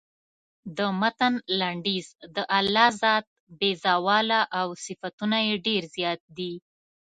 د متن لنډیز د الله ذات بې زواله او صفتونه یې ډېر زیات دي.